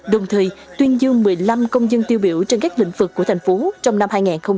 đồng thời tuyên dương một mươi năm công dân tiêu biểu trên các lĩnh vực của thành phố trong năm hai nghìn hai mươi